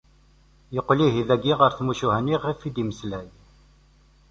Yeqqel ihi dagi ɣer tmucuha-nni i ɣef i d-yemmeslay.